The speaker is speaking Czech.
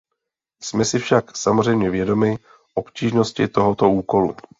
Jsme si však samozřejmě vědomi obtížnosti tohoto úkolu.